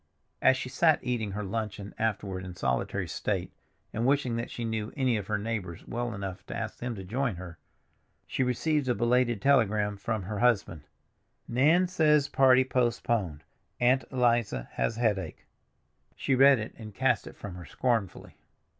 As she sat eating her luncheon afterward in solitary state, and wishing that she knew any of her neighbors well enough to ask them to join her, she received a belated telegram from her husband: "Nan says party postponed; Aunt Eliza has headache." She read it, and cast it from her scornfully.